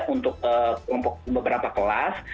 untuk kelompok beberapa kelas